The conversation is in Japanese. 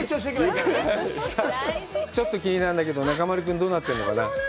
さあ、ちょっと気になるんだけど、中丸君、どうなっているのかな？